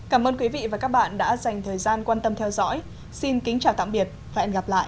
cảm ơn quý vị và các bạn đã dành thời gian quan tâm theo dõi xin kính chào tạm biệt và hẹn gặp lại